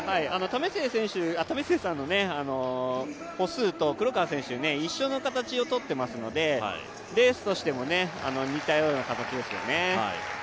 為末さんの歩数と黒川選手、一緒の形をとっていますのでレースとしても似たような形ですよね。